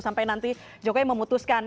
sampai nanti jokowi memutuskan